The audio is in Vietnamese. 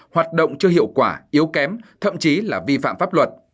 hoạt động chưa hiệu quả yếu kém thậm chí là vi phạm pháp luật